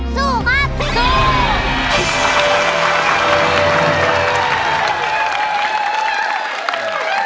สู้ครับ